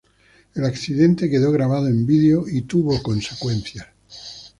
El accidente quedó grabado en video y tuvo consecuencias.